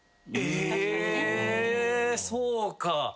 えそうか。